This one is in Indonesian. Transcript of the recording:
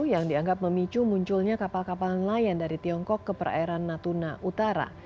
yang dianggap memicu munculnya kapal kapal nelayan dari tiongkok ke perairan natuna utara